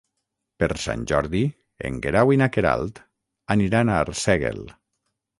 Per Sant Jordi en Guerau i na Queralt aniran a Arsèguel.